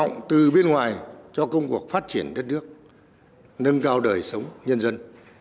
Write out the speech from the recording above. cộng từ bên ngoài cho công cuộc phát triển đất nước nâng cao đời sống nhân dân